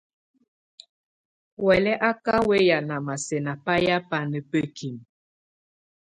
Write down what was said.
Huɛ̀lɛ á ká wɛyá námásɛ̀á ná bayɛ́ bána bǝ́kimǝ.